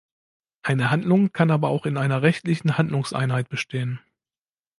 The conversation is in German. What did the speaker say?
Eine Handlung kann aber auch in einer rechtlichen Handlungseinheit bestehen.